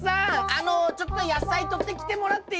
あのちょっと野菜とってきてもらっていいがな？